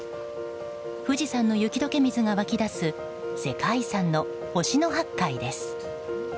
富士山の雪解け水が湧き出す世界遺産の忍野八海です。